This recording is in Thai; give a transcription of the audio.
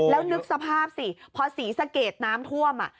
แล้วนึกสภาพสิพอศรีสะเกดน้ำท่วม